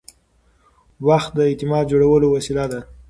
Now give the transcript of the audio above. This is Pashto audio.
وخت د اعتماد جوړولو وسیله ده.